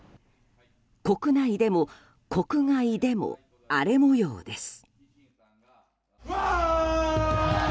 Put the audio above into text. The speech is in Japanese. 国内でも国外でも荒れ模様です。